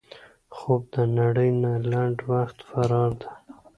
خوب د نړۍ نه لنډ وخت فرار دی